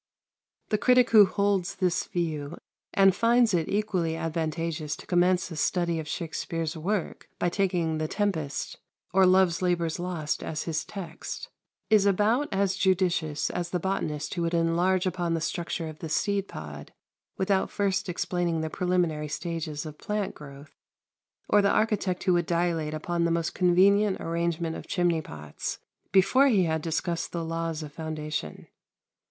The critic who holds this view, and finds it equally advantageous to commence a study of Shakspere's work by taking "The Tempest" or "Love's Labour's Lost" as his text, is about as judicious as the botanist who would enlarge upon the structure of the seed pod without first explaining the preliminary stages of plant growth, or the architect who would dilate upon the most convenient arrangement of chimney pots before he had discussed the laws of foundation.